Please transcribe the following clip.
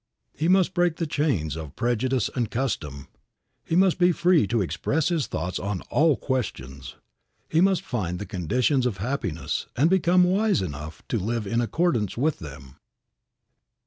He must break the chains of prejudice and custom. He must be free to express his thoughts on all questions. He must find the conditions of happiness and become wise enough to live in accordance with them.